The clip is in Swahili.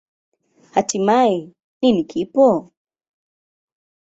Hatimaye, nini kipo?